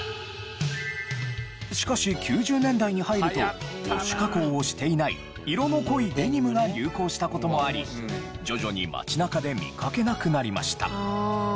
しかし９０年代に入るとウォッシュ加工をしていない色の濃いデニムが流行した事もあり徐々に街中で見かけなくなりました。